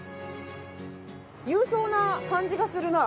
勇壮な感じがするな。